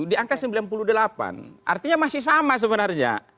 di angka sembilan puluh delapan artinya masih sama sebenarnya